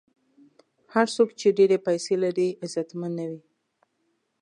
هر څوک چې ډېرې پیسې لري، عزتمن نه وي.